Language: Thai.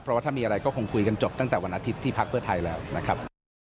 เพราะว่าถ้ามีอะไรก็คงคุยกันจบตั้งแต่วันอาทิตย์ที่พักเพื่อไทยแล้วนะครับ